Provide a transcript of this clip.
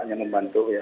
hanya membantu saja